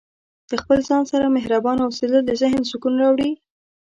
د خپل ځان سره مهربانه اوسیدل د ذهن سکون راوړي.